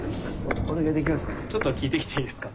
お願いできますか？